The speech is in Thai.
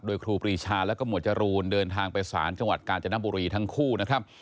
โดยครูปรีชาแล้วก็หมวดจรูนเดินทางไปสารจังหวัดกาญจนบุรีทั้งคู่นะครับ